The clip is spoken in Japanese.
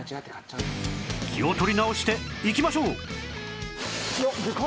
気を取り直していきましょう！